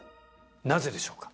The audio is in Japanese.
なぜでしょうか？